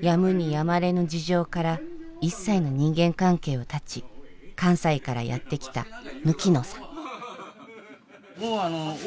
やむにやまれぬ事情から一切の人間関係を絶ち関西からやって来たぬきのさん。